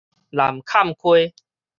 南崁溪